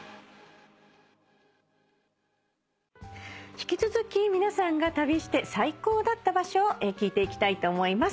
引き続き皆さんが旅して最高だった場所を聞いていきたいと思います。